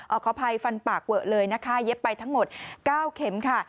ขออภัยฟันปากเวอะเลยนะคะเย็บไปทั้งหมด๙เข็มค่ะ